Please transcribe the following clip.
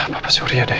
hai apa apa surya deh